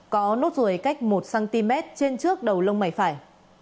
có nốt rùi cách một cm trên trước đầu lông mảy phải